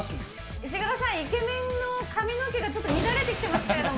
石黒さん、イケメンの髪の毛がちょっと乱れてきてますけれども。